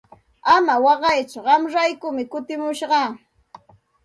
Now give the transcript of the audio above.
Ama waqaytsu qamraykum kutimushaq.